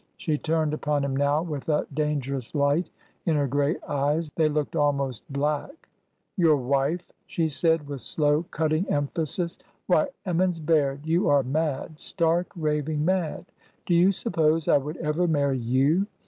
She turned upon him now with a dangerous light in her gray eyes. They looked almost black. Your wife 1 " she said, with slow, cutting emphasis. Why, Emmons Baird, you are mad ! stark, raving mad ! Do you suppose I would ever marry you?"